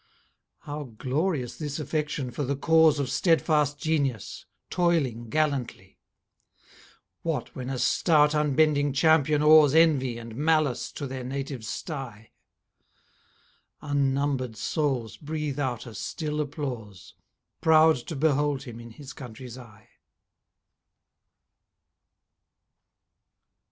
How glorious this affection for the cause Of stedfast genius, toiling gallantly! What when a stout unbending champion awes Envy, and Malice to their native sty? Unnumber'd souls breathe out a still applause, Proud to behold him in his country's eye.